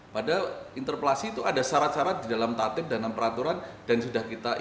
padahal interpelasi itu ada syarat syarat di dalam tatib dan enam peraturan dan sudah kita ikuti